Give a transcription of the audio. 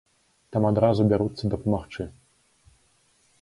Там адразу бяруцца дапамагчы.